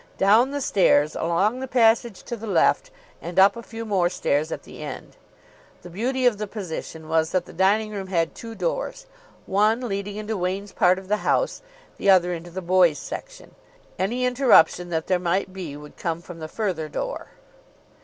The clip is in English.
Down the stairs, along the passage to the left, and up a few more stairs at the end. The beauty of the position was that the dining room had two doors, one leading into Wain's part of the house, the other into the boys' section. Any interruption that there might be would come from the further door.